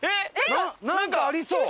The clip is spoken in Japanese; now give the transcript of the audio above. なんかありそう！